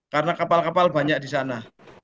karena kapal kapal banyak di sana